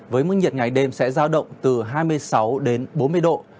với mức nhiệt ngày đêm sẽ giao động từ hai mươi sáu đến bốn mươi độ